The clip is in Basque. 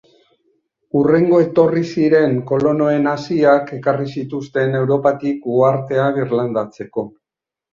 Hurrengo etorri ziren kolonoen haziak ekarri zituzten Europatik uhartea birlandatzeko.